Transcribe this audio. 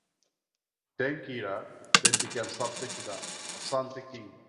Denkyira then became subject to the Asante Kingdom.